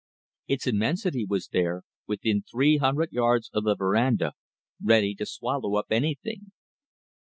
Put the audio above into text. Its immensity was there, within three hundred yards of the verandah, ready to swallow up anything.